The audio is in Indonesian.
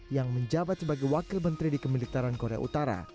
yang menjabat sebagai wakil menteri di kemilitaran korea utara